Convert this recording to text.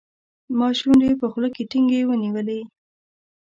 ما شونډې په خوله کې ټینګې ونیولې.